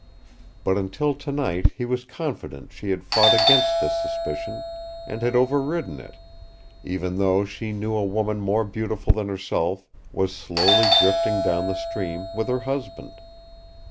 But until tonight he was confident she had fought against this suspicion, and had overridden it, even though she knew a woman more beautiful than herself was slowly drifting down the stream with her husband.